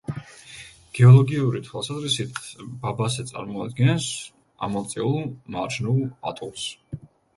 გეოლოგიური თვალსაზრისით, ბაბასე წარმოადგენს ამოწეულ მარჯნულ ატოლს.